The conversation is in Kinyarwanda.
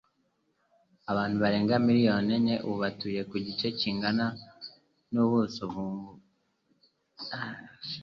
Abantu barenga miliyari enye ubu batuye ku gice kingana by'ubuso bw'ubutaka bw'iyi si dutuyeho.